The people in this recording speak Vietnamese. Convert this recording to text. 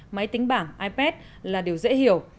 máy tính bảng ipad là điều dễ hiểu